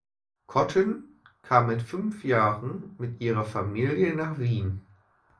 Cotten kam mit fünf Jahren mit ihrer Familie nach Wien.